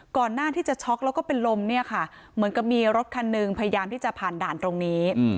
ก่อนหน้าที่จะช็อกแล้วก็เป็นลมเนี่ยค่ะเหมือนกับมีรถคันหนึ่งพยายามที่จะผ่านด่านตรงนี้